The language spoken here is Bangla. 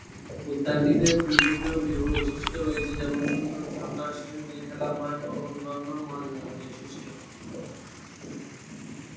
উদ্যানটিতে বিভিন্ন বৈশিষ্ট্য রয়েছে যেমন সুন্দর ঝর্ণা, শিশুদের খেলার মাঠ এবং অন্যান্য মজাদার বৈশিষ্ট্য।